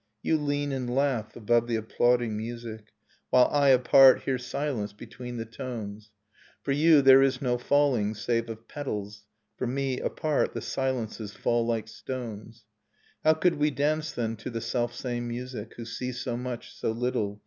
You lean and laugh above the applauding music, While I, apart, hear silence between the tones. For you, there is no falling, save of petals; For me, apart, the silences fall like stones. Nocturne of Remembered Spring How could we dance, then, to the self same music, Who see so much, so little?